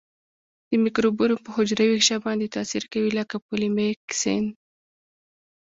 د مکروبونو په حجروي غشا باندې تاثیر کوي لکه پولیمیکسین.